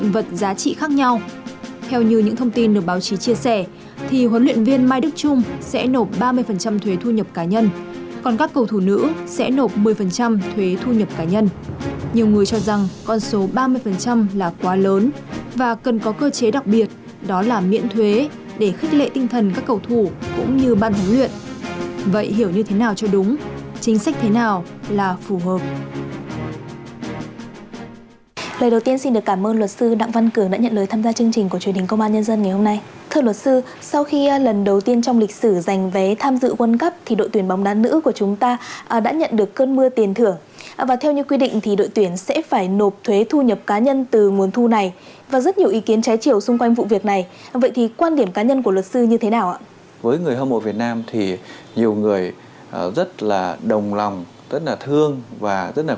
vậy thì luật sư có thể lý giải vì sao huấn luyện viên mai đức trung nộp ba mươi tiền thuế thu nhập cá nhân không ạ